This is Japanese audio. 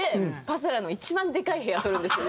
パセラの一番でかい部屋取るんですよ。